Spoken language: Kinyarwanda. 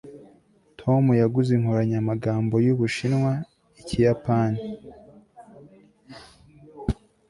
tom yaguze inkoranyamagambo y'ubushinwa-ikiyapani